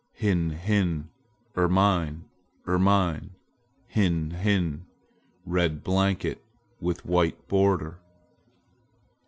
Hin hin, Ermine, Ermine! Hin hin, red blanket, with white border!"